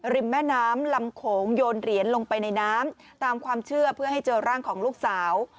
แม่น้ำลำโขงโยนเหรียญลงไปในน้ำตามความเชื่อเพื่อให้เจอร่างของลูกสาว